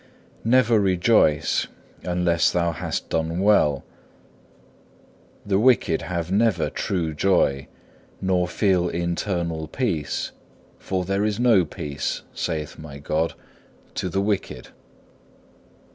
Never rejoice unless when thou hast done well. The wicked have never true joy, nor feel internal peace, for there is no peace, saith my God, to the wicked.